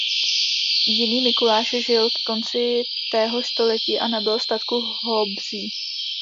Jiný Mikuláš žil ke konci téhož století a nabyl statku Hobzí.